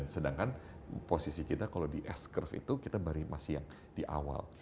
sedangkan posisi kita kalau di s curve itu kita masih yang di awal